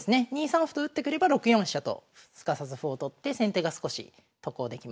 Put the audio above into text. ２三歩と打ってくれば６四飛車とすかさず歩を取って先手が少し得をできます。